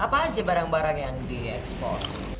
apa aja barang barang yang diekspor